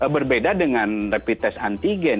berbeda dengan rapid test antigen